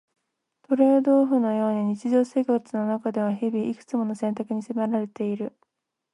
トレードオフのように日常生活の中では日々、いくつもの選択に迫られている。